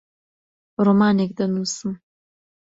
ڕۆمانێک دەنووسم.